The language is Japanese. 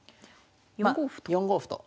４五歩と。